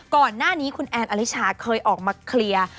ก่อนหน้านี้คุณแอนอลิชาเคยออกมาเคลียร์